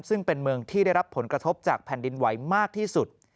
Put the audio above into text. ซึ่งเป็นเมืองที่ได้รับผลกระทบจากแผ่นดินไหวมากที่สุด